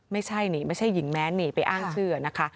ไม่ใช่หญิงแม้นหนีไปอ้างชื่ออะนะคะ